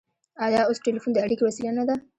آیا اوس ټیلیفون د اړیکې وسیله نه ده؟